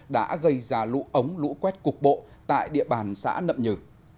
đã gây ra lũ ống lũ quét cục bộ tại địa bàn xã nậm nhừ